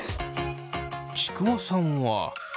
ちくわさんは。